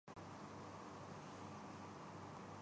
اورکھل کے بات ان پہ ہو نہیں سکتی۔